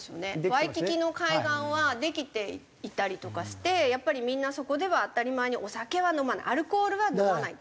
ワイキキの海岸はできていたりとかしてやっぱりみんなそこでは当たり前にお酒は飲まないアルコールは飲まない。